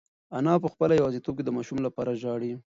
انا په خپله یوازیتوب کې د ماشوم لپاره ژاړي.